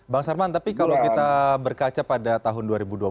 bang sarman tapi kalau kita berkaca pada tahun dua ribu dua puluh dua ribu dua puluh satu